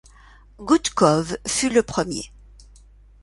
Goudkov fut le premier.